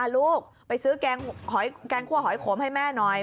ลูกไปซื้อแกงคั่วหอยขมให้แม่หน่อย